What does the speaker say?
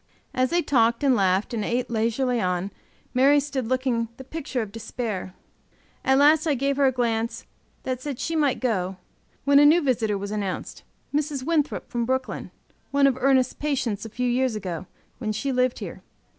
As they talked and laughed and ate leisurely on, Mary stood looking the picture of despair. At last I gave her a glance that said she might go, when a new visitor was announced Mrs. Winthrop, from Brooklyn, one of Ernest's patients a few years ago, when she lived here.